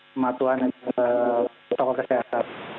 kematuan protokol kesehatan